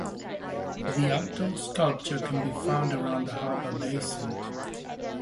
The outdoor sculpture can be found around the harbour basin.